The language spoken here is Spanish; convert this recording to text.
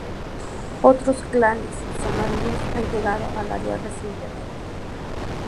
Otros clanes somalíes han llegado al área recientemente.